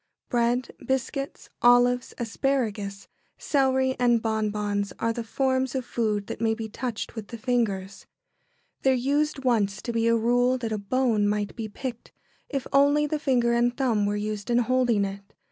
] Bread, biscuits, olives, asparagus, celery, and bonbons are the forms of food that may be touched with the fingers. There used once to be a rule that a bone might be picked, if only the finger and thumb were used in holding it.